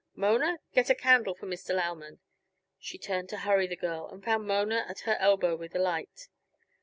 Mona, get a candle for Mr. Lauman." She turned to hurry the girl, and found Mona at her elbow with a light.